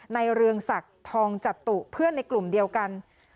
เรืองศักดิ์ทองจตุเพื่อนในกลุ่มเดียวกัน